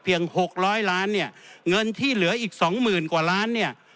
หกร้อยล้านเนี่ยเงินที่เหลืออีกสองหมื่นกว่าล้านเนี่ย